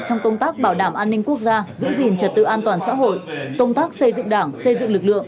trong công tác bảo đảm an ninh quốc gia giữ gìn trật tự an toàn xã hội công tác xây dựng đảng xây dựng lực lượng